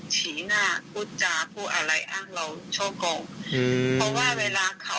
ชี้หน้าพูดจาพูดอะไรอ้างเราช่อกงอืมเพราะว่าเวลาเขา